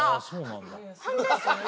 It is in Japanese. あそうなんだ。